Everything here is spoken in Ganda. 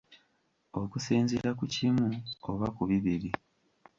Okusinziira ku kimu oba ku bibiri.